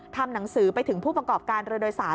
ทำหนังสือไปถึงผู้ประกอบการเรือโดยสาร